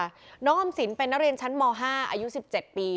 น้องออมสินเป็นนักเรียนชั้นม๕อายุ๑๗ปี